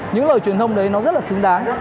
những lời truyền thông đấy nó rất là xứng đáng